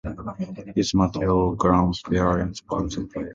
His maternal grandparents were the Rev.